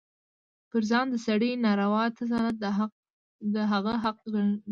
پر ځان د سړي ناروا تسلط د هغه حق ګڼي.